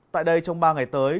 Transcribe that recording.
tại đây trong ba ngày tới